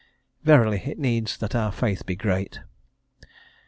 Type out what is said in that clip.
Verily, it needs that our faith be great.